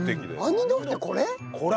杏仁豆腐ってこれ？